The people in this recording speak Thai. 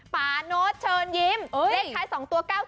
ปานด์โน๊ตเชิญยิ้มเลขไทย๒ตัว๙๗๓ใบ